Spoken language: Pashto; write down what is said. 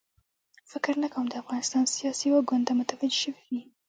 فکر نه کوم د افغانستان سیاسي واک کونډه متوجه شوې وي.